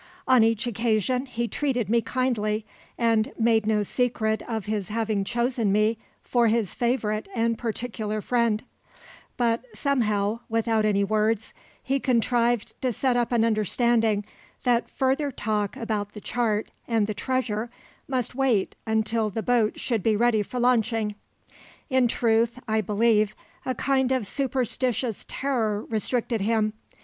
On each occasion he treated me kindly, and made no secret of his having chosen me for his favourite and particular friend; but somehow, without any words, he contrived to set up an understanding that further talk about the chart and the treasure must wait until the boat should be ready for launching. In truth, I believe, a kind of superstitious terror restricted him.